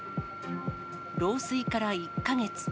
漏水から１か月。